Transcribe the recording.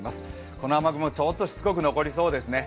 この雨雲、ちょっとしつこく残りそうですね。